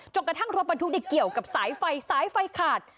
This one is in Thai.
กระทั่งรถบรรทุกเกี่ยวกับสายไฟสายไฟขาด